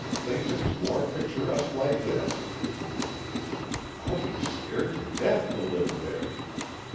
Thinks it's more picturesque like this." "I'd be scared to death to live there!"